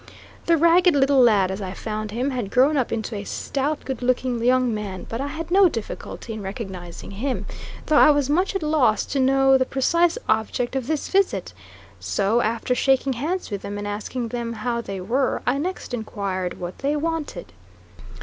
The ragged little lad, as I found him, had grown up into a stout, good looking young man; but I had no difficulty in recognizing him, though I was much at loss to know the precise object of this visit; so after shaking hands with them, and asking then how they were, I next inquired what they wanted?